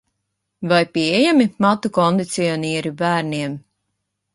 Vai pieejami matu kondicionieri bērniem?